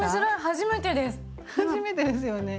初めてですよね。